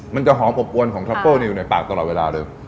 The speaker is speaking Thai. มันจะหอมอบปวนของทรัฟเฟิลมันอยู่ในปากตลอดเวลาเลย